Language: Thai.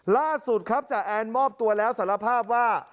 ล่าสุดครับจ่าแอนมอบตัวแล้วสารภาพว่า